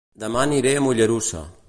Dema aniré a Mollerussa